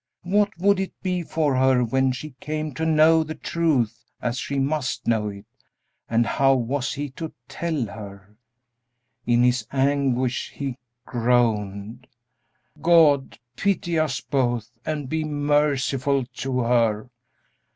What would it be for her when she came to know the truth, as she must know it; and how was he to tell her? In his anguish he groaned, "God pity us both and be merciful to her!"